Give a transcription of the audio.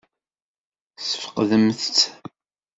Tesfeqdemt-tt?